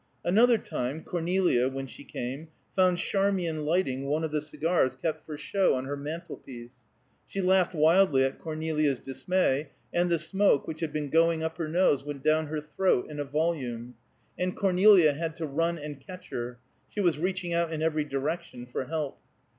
Another time, Cornelia, when she came, found Charmian lighting one of the cigars kept for show on her mantel. She laughed wildly at Cornelia's dismay, and the smoke, which had been going up her nose, went down her throat in a volume, and Cornelia had to run and catch her; she was reaching out in every direction for help.